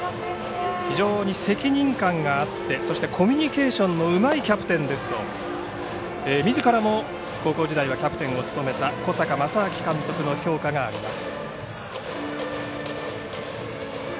非常に責任感があってコミュニケーションのうまいキャプテンですとみずからも高校時代はキャプテンを務めた小坂将商監督の評価があります。